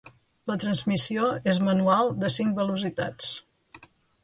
La transmissió és manual de cinc velocitats.